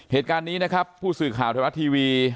เหตุการณ์นี้นะครับผู้สื่อข่าวไทยรัฐทีวี